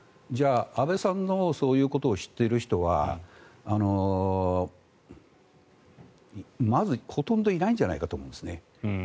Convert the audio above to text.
安倍さんのそういうことを知っている人はまず、ほとんどいないんじゃないかと思うんです。